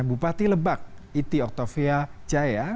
bupati lebak iti oktavia jaya